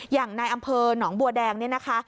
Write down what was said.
อย่างในอำเภอหนองบัวแดงนี่นะคะ